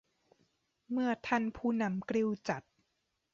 เมื่อท่านผู้นำกริ้วจัด